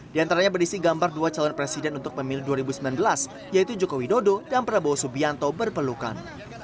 di antaranya berisi gambar dua calon presiden untuk pemilu dua ribu sembilan belas yaitu jokowi dodo dan prabowo subianto berpelukan